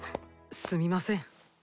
すみません。